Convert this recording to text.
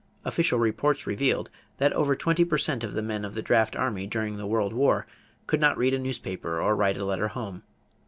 Official reports revealed that over twenty per cent of the men of the draft army during the World War could not read a newspaper or write a letter home.